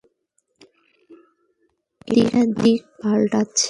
এটা দিক পাল্টাচ্ছে!